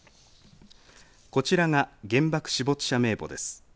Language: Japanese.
こちらが原爆死没者名簿です。